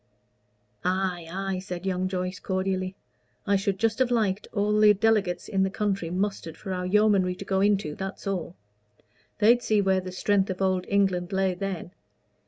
"Ay, ay," said young Joyce, cordially. "I should just have liked all the delegates in the country mustered for our yeomanry to go into that's all. They'd see where the strength of Old England lay then.